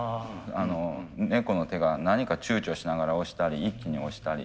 猫の手が何かちゅうちょしながら押したり一気に押したり。